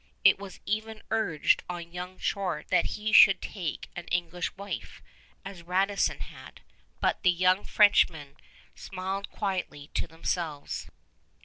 It was even urged on young Chouart that he should take an English wife, as Radisson had; but the young Frenchmen smiled quietly to themselves.